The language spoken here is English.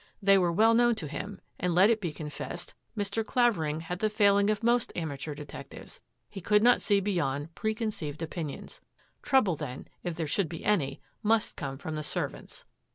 They were well known to him; and, let it be confessed, Mr. Clavering had the failing of most amateur detectives — he could not see beyond preconceived opinions. Trouble, then, if there should be any, must come from the servants.